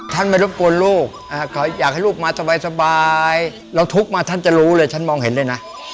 ท่านไม่รบกวนลูกเขาอยากให้ลูกมาสบายเราทุกข์มาท่านจะรู้เลยท่านมองเห็นเลยนะ